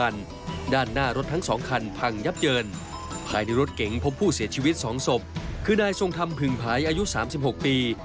ในสงธรรมผึ่งภายอายุ๓๖ปี